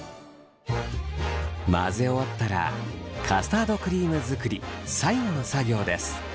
混ぜ終わったらカスタードクリーム作り最後の作業です。